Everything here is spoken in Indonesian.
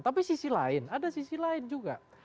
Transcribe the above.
tapi sisi lain ada sisi lain juga